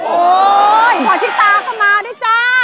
โอ้ยหัวชิตาก็มาด้วยจ้า